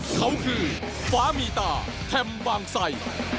เขาคือฟ้ามีตาแพมบางใส่